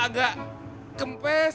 hah masa iya emang kempes